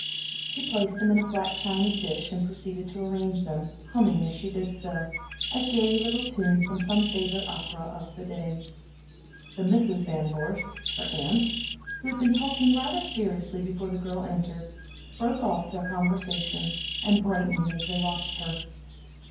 She placed them in a flat china dish and proceeded to arrange them, humming, as she did so, a gay little tune from some favorite opera of the day. The Misses Van Vorst, her aunts, who had been talking rather seriously before the girl entered, broke off in their conversation and brightened as they watched her.